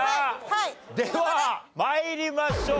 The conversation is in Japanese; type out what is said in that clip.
では参りましょう。